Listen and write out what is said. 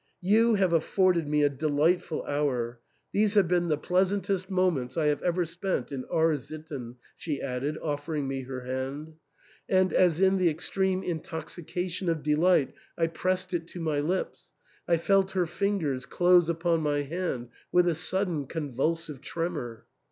" You have afforded me a delightful hour ; these have been the pleasantest 248 THE ENTAIL. moments I have ever spent in R — ^sitten," she added, offering me her hand ; and as in the extreme intoxica tion of delight I pressed it to my lips, I felt her fingers close upon my hand with a sudden convulsive tremor.